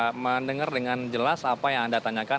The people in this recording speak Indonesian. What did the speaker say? saya mendengar dengan jelas apa yang anda tanyakan